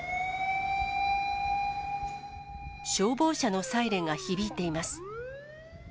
消防車のサイレンが響いています。